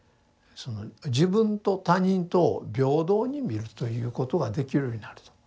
その自分と他人とを平等に観るということができるようになると。